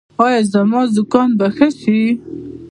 ایا زما زکام به ښه شي؟